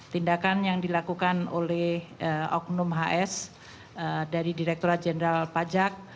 tindakan yang dilakukan oleh oknum hs dari direkturat jenderal pajak